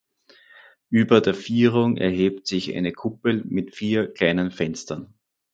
Über der Vierung erhebt sich eine Kuppel mit vier kleinen Fenstern.